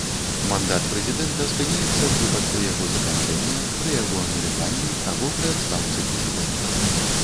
Мандат прэзідэнта спыняецца ў выпадку яго заканчэння, пры яго ануляванні, або пры адстаўцы прэзідэнта.